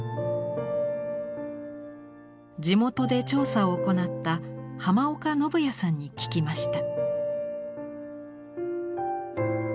地元で調査を行った濱岡伸也さんに聞きました。